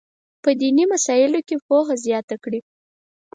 په دیني مسایلو کې پوهه زیاته کړي.